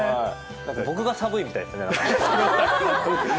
僕が寒いみたいですね。